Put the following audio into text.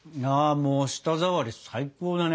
もう舌触り最高だね。